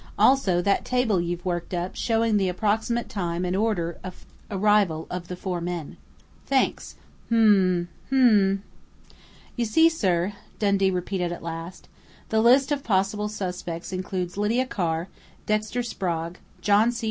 "Also that table you've worked up showing the approximate time and order of arrival of the four men.... Thanks!... Hmm!... Hmm!" "You see, sir," Dundee repeated at last, "the list of possible suspects includes Lydia Carr, Dexter Sprague, John C.